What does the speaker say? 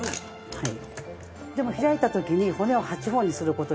はい。